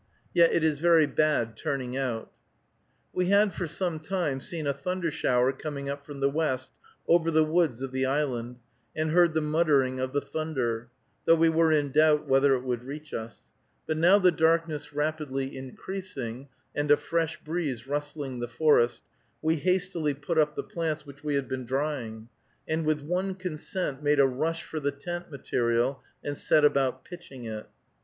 Yet it is very bad turning out. We had for some time seen a thunder shower coming up from the west over the woods of the island, and heard the muttering of the thunder, though we were in doubt whether it would reach us; but now the darkness rapidly increasing, and a fresh breeze rustling the forest, we hastily put up the plants which we had been drying, and with one consent made a rush for the tent material and set about pitching it.